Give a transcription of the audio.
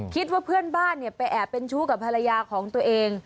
คิดว่าเพื่อนบ้านไปแอบเป็นชู้กับภรรยาของตัวเอง